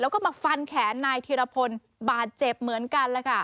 แล้วก็มาฟันแขนนายธีรพลบาดเจ็บเหมือนกันแหละค่ะ